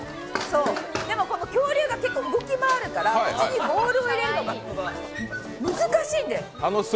でも、この恐竜が結構動き回るのが口にボールを入れるのが難しいんで。